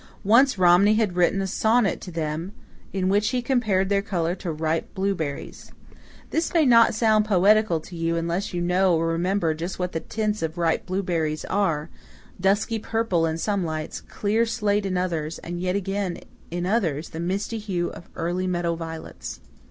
Once Romney had written a sonnet to them in which he compared their colour to ripe blueberries. This may not sound poetical to you unless you know or remember just what the tints of ripe blueberries are dusky purple in some lights, clear slate in others, and yet again in others the misty hue of early meadow violets.